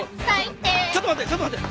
ちょっと待ってちょっと待って。